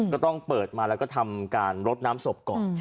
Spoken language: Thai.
ก็ต้องเปิดมาแล้วก็ทำการรดน้ำศพก่อน